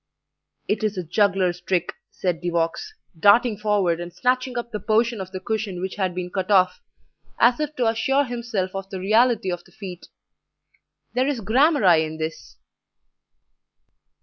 "It is a juggler's trick," said De Vaux, darting forward and snatching up the portion of the cushion which had been cut off, as if to assure himself of the reality of the feat; "there is gramarye in this."